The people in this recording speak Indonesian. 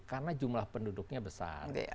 karena jumlah penduduknya besar